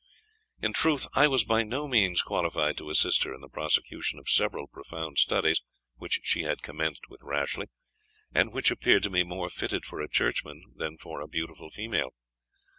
In truth, I was by no means qualified to assist her in the prosecution of several profound studies which she had commenced with Rashleigh, and which appeared to me more fitted for a churchman than for a beautiful female.